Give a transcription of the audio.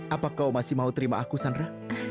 apa kau masih mau terima aku sandra